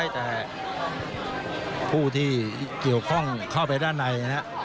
แต่ผู้ที่เกี่ยวข้องเข้าไปด้านในนะครับ